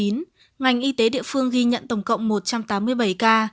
ngành y tế địa phương ghi nhận tổng cộng một trăm tám mươi bảy ca